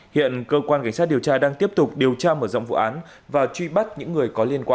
hiện cơ quan cảnh sát điều tra đang tiếp tục điều tra mở rộng vụ án và truy bắt những người có liên quan